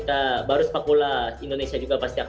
dan mereka akan lebih baik